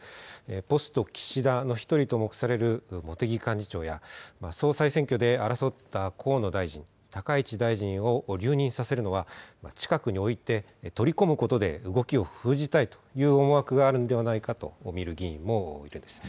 ポスト岸田の１人と目される茂木幹事長や、総裁選挙で争った河野大臣、高市大臣を留任させるのは、近くに置いて取り込むことで、動きを封じたいという思惑があるのではないかと見る議員もいます。